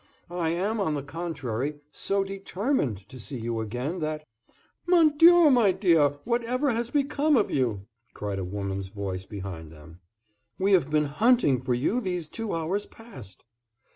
I am, on the contrary, so determined to see you again that " "Mon Dieu, my dear, what ever has become of you?" cried a woman's voice behind them. "We have been hunting for you these two hours past."